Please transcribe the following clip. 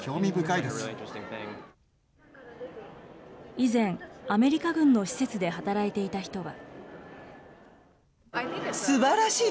以前、アメリカ軍の施設で働いていた人は。